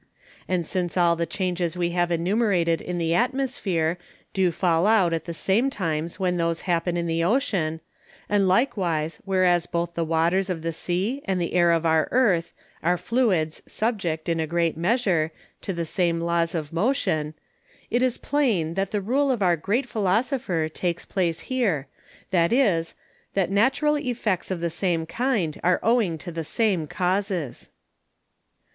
And since all the Changes we have enumerated in the Atmosphere do fall out at the same times when those happen in the Ocean; and likewise whereas both the Waters of the Sea and the Air of our Earth, are Fluids subject, in a great Measure, to the same Laws of Motion; it is plain, that the Rule of our great Philosopher takes place here, viz. That Natural Effects of the same kind are owing to the same Causes.